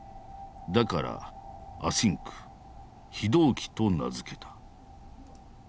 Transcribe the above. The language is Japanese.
だからアシンク非同期と名付けた。